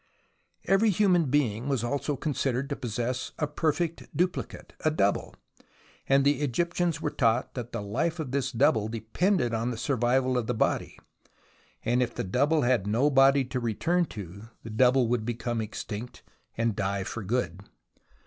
Every human being was also considered to possess a perfect duplicate, a double, and the Egyptians were taught that the life of this double depended on the survival of the body, and if the double had 48 THE ROMANCE OF EXCAVATION no body to return to, the double would become extinct and die for good.